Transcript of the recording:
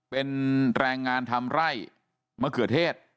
เป็นแรงงานทำไร่มะเขือเทศ